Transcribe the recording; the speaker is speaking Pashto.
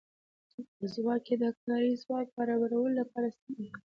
دا ځواک یې د کاري ځواک برابرولو لپاره استعمال کړ.